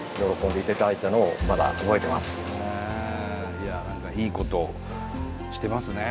いや何かいいことをしてますね。